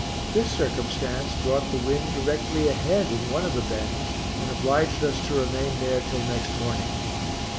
This circumstance brought the wind directly ahead in one of the bends and obliged us to remain there till next morning.